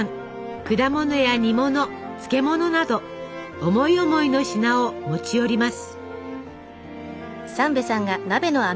果物や煮物漬物など思い思いの品を持ち寄ります。